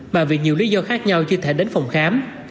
mà vì nhiều lý do khác nhau chưa thể đến phòng khám